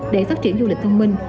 để phát triển du lịch thông minh